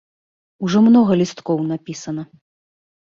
Ужо многа лісткоў напісана.